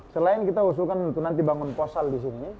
selain kita usulkan untuk nanti bangun posal disini